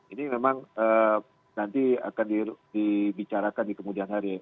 ini memang nanti akan dibicarakan di kemudian hari